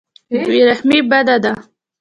بې رحمي بده ده.